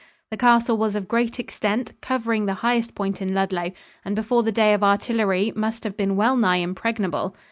The castle was of great extent, covering the highest point in Ludlow, and before the day of artillery must have been well nigh impregnable.